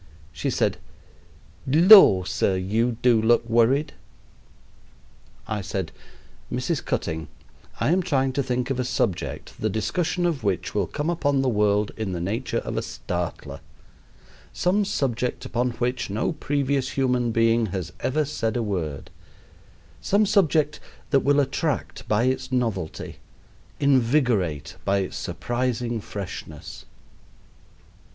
She said: "Lor', sir, you do look worried." I said: "Mrs. Cutting, I am trying to think of a subject the discussion of which will come upon the world in the nature of a startler some subject upon which no previous human being has ever said a word some subject that will attract by its novelty, invigorate by its surprising freshness."